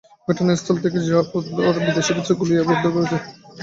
ঘটনাস্থল থেকে র্যাব একটি বিদেশি পিস্তল, গুলি ও ইয়াবা উদ্ধার করেছে।